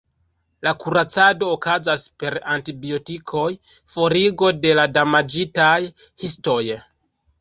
La kuracado okazas per antibiotikoj, forigo de la damaĝitaj histoj.